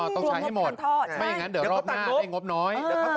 ต้องใช้ให้หมดไม่อย่างนั้นเดี๋ยวรอบหน้าได้งบน้อยนะครับ